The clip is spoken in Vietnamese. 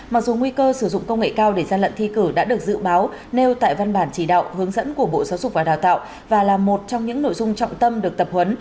mặc dù nguy cơ sử dụng công nghệ cao để gian lận thi cử đã được dự báo nêu tại văn bản chỉ đạo hướng dẫn của bộ giáo dục và đào tạo và là một trong những nội dung trọng tâm được tập huấn